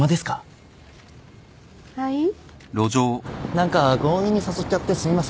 何か強引に誘っちゃってすみません。